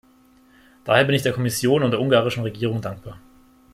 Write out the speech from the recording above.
Daher bin ich der Kommission und der ungarischen Regierung dankbar.